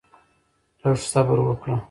لږ صبر وکړه؛